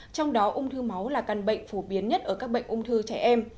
trong đó ung thư máu là căn bệnh phổ biến nhất ở các bệnh ung thư trẻ em